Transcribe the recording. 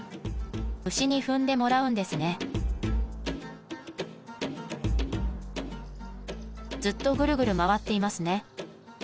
牛に踏んでもらうんですねずっとグルグル回っていますね。